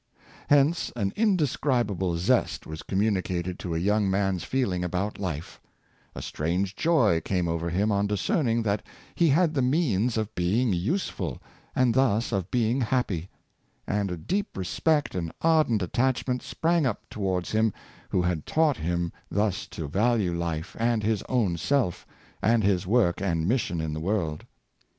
Hence an indescribable zest was communicated to a young man's feeling about life ; a strange joy came over him on discerning that he had the means of being useful, and thus of being hap py; and a deep respect and ardent attachment sprang up towards him who had taught him thus to value life and his own self, and his work and mission in the world.